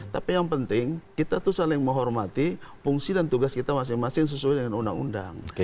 tapi yang penting kita tuh saling menghormati fungsi dan tugas kita masing masing sesuai dengan undang undang